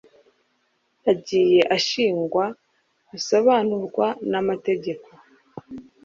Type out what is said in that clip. agiye ashingwa bisobanurwa n amategeko